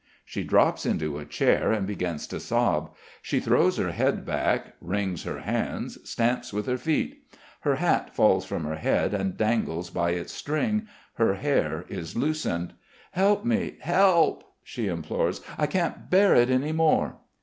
She drops into a chair and begins to sob. She throws her head back, wrings her hands, stamps with her feet; her hat falls from her head and dangles by its string, her hair is loosened. "Help me, help," she implores. "I can't bear it any more."